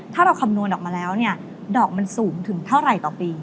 ถ้าเราคำนวณออกมาแล้วเนี่ยดอกมันสูงถึงเท่าไหร่ต่อปี